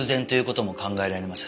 そう考えられます。